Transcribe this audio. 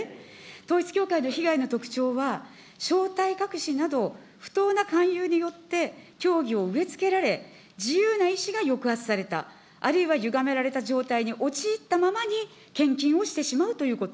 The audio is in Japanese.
統一教会の被害の特徴は、正体隠しなど、不当な勧誘によって教義を植えつけられ、自由な意思が抑圧された、あるいはゆがめられた状態に陥ったままに献金をしてしまうということ。